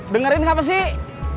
dengerin kapa sih